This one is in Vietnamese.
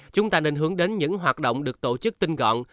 chúng ta nên hướng đến những hoạt động được tổ chức tinh gọn